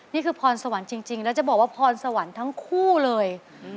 นี่คือพรสวรรค์จริงแล้วจะบอกว่าพรสวรรค์ทั้งคู่เลย